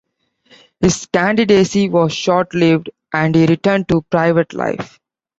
His candidacy was short-lived and he returned to private life.